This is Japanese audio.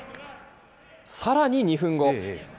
さらに２分後。